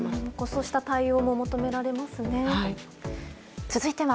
そうした対応も求められますね。